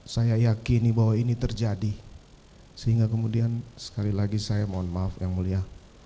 saya yakini bahwa ini terjadi sehingga kemudian sekali lagi saya mohon maaf yang mulia